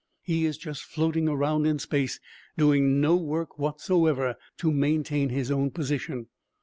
He is just floating around in space, doing no work whatsoever to maintain his own position.